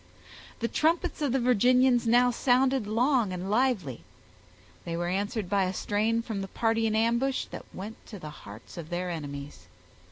The trumpets of the Virginians now sounded long and lively; they were answered by a strain from the party in ambush that went to the hearts of their enemies.